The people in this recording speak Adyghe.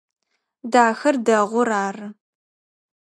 Дахэр дэгъур ары.